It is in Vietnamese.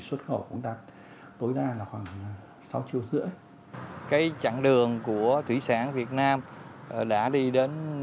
xuất khẩu cũng đạt tối đa là khoảng sáu triệu rưỡi cái chặng đường của thủy sản việt nam đã đi đến